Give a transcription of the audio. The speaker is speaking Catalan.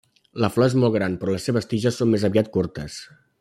La flor és molt gran, però les seves tiges són més aviat curtes.